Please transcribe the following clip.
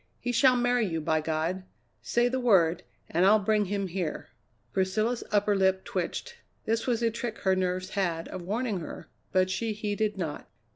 He shall marry you, by God! Say the word and I'll bring him here." Priscilla's upper lip twitched. This was a trick her nerves had of warning her, but she heeded not.